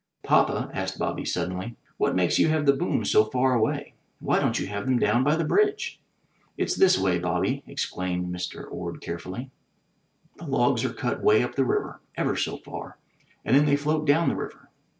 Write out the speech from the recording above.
"Papa," asked Bobby suddenly, "what makes you have the booms so far away? Why don't you have them down by the bridge?" "It's this way, Bobby," explained Mr. Orde carefully. "The logs are cut 'way up the river — ever so far — and then they float down the river.